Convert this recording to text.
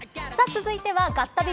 続いてはガッタビ！！